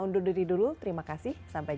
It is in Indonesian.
undur diri dulu terima kasih sampai jumpa